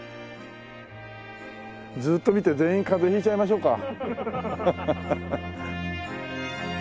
ずっと見て全員風邪引いちゃいましょうか。